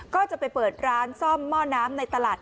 ก็จะไปเปิดร้านซ่อมหม้อน้ำในตลาด